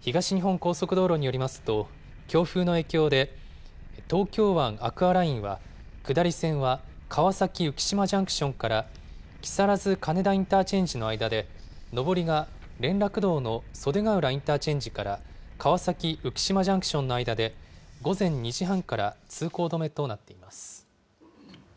東日本高速道路によりますと、強風の影響で、東京湾アクアラインは、下り線は川崎浮島ジャンクションから木更津金田インターチェンジの間で上りが連絡道の袖ヶ浦インターチェンジから川崎浮島ジャンクションの間で午前２時半から通行止めとなっています。